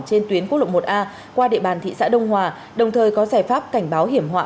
trên tuyến quốc lộ một a qua địa bàn thị xã đông hòa đồng thời có giải pháp cảnh báo hiểm họa